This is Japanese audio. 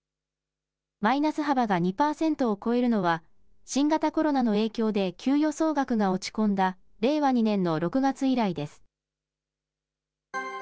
マイナス幅が２％を超えるのは、新型コロナの影響で給与総額が落ち込んだ令和２年の６月以来です。